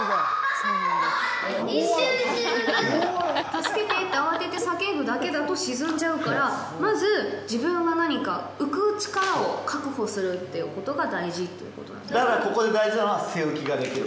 “助けて”って慌てて叫ぶだけだと沈んじゃうから、まず自分は何か浮く力を確保するということが大事ということなんですね。